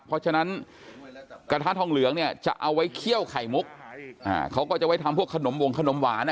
เพราะฉะนั้นกระทะทองเหลืองเนี่ยจะเอาไว้เคี่ยวไข่มุกเขาก็จะไว้ทำพวกขนมวงขนมหวาน